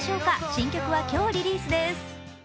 新曲は今日リリースです。